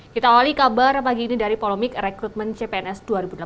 kita awali kabar pagi ini dari polemik rekrutmen cpns dua ribu delapan belas